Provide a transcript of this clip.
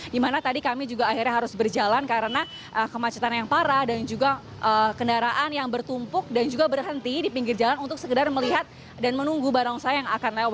dimana tadi kami juga akhirnya harus berjalan karena kemacetan yang parah dan juga kendaraan yang bertumpuk dan juga berhenti di pinggir jalan untuk sekedar melihat dan menunggu barongsai yang akan lewat